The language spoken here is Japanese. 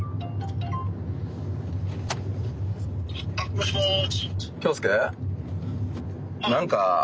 もしもし。